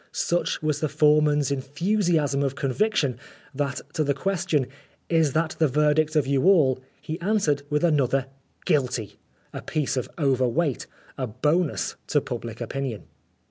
Such was the foreman's enthusiasm of convic tion, that to the question " Is that the verdict of you all ?" he answered with another " Guilty," a piece of overweight a bonus to public opinion.